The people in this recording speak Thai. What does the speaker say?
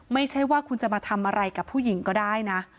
ไม่ใช่ว่าคุณจะมาทำอะไรกับผู้หญิงก็ได้นะ